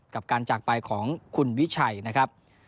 กับการจากไปของคุณวิชัยนะครับ